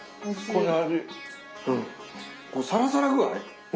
このサラサラ具合。